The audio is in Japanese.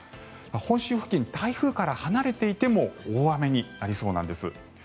本州付近、台風から離れていても大雨になりそうなんです。